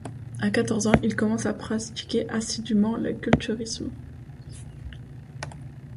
À quatorze ans, il commence à pratiquer assidûment le culturisme.